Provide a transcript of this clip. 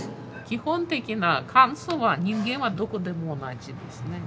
基本的な感想は人間はどこでも同じですね。